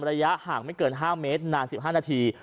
ระยะห่างไม่เกิน๕เมตรนาน๑๕นาที